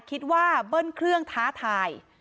คิดว่าเบิ้ลเครื่องท้าทาย